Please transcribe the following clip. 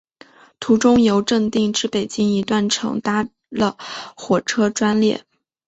途中由正定至北京一段乘搭了火车专列。